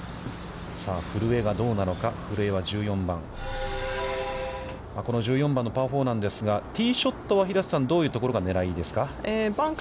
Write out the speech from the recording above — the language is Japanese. さあ古江がどうなのか古江は１４番、この１４番のパー４なんですがティーショットは平瀬さん、どういうところが狙いですか。